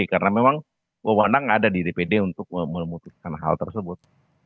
karena memang wawanan ada di dpd untuk memutuskan hal tersebut